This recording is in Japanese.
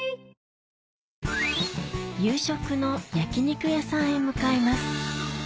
夕食の焼肉屋さんへ向かいます